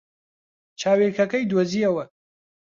چاویلکەکەی دۆزییەوە.